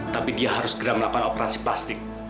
tapi dia harus segera melakukan operasi plastik